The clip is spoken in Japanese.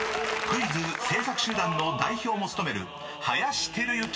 ［クイズ制作集団の代表も務める林輝幸］